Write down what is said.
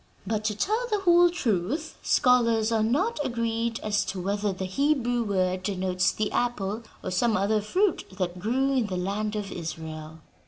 But, to tell the whole truth, scholars are not agreed as to whether the Hebrew word denotes the apple or some other fruit that grew in the land of Israel."